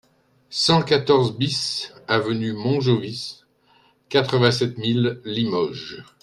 cent quatorze BIS avenue Montjovis, quatre-vingt-sept mille Limoges